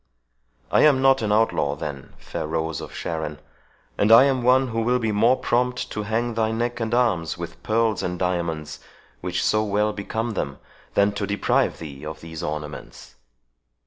I am not an outlaw, then, fair rose of Sharon. And I am one who will be more prompt to hang thy neck and arms with pearls and diamonds, which so well become them, than to deprive thee of these ornaments."